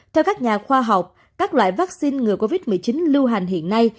theo các nhà khoa học các loại vaccine ngừa covid một mươi chín lưu hành hiện nay